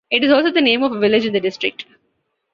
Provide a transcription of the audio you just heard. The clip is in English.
It is also the name of a village in the district.